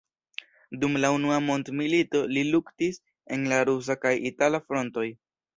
Dum la unua mondmilito li luktis en la rusa kaj itala frontoj.